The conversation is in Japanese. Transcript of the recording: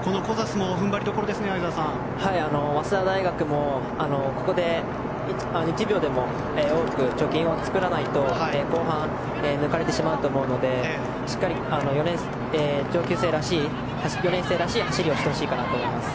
早稲田大学もここで１秒でも多く貯金を作らないと後半、抜かれてしまうと思うのでしっかり上級生らしい走りをしてほしいかなと思います。